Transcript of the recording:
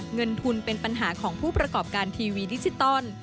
เงินทุนเป็นปัญหาของผู้ประกอบการทีวีดิจิตอล